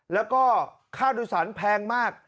แล้วก็ค่าโดยสารแพงมาก